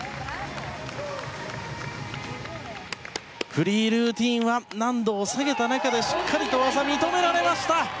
フリールーティンは難度を下げた中でしっかりと技が認められました。